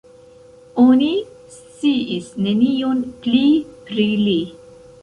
Oni sciis nenion pli pri li.